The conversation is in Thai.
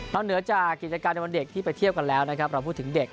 เหนือจากกิจการในวันเด็กที่ไปเที่ยวกันแล้วนะครับเราพูดถึงเด็ก